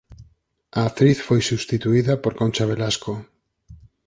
A actriz foi substituída por Concha Velasco.